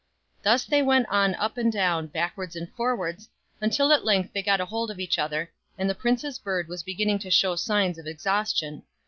Thus they went on up and down, backwards and forwards, until at length they got hold of each other, and the prince's bird was beginning to show signs of exhaustion.